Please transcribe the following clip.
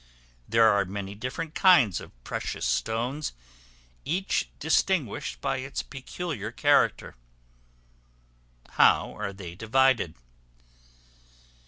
There are many different kinds of precious stones, each distinguished by its peculiar character. How are they divided?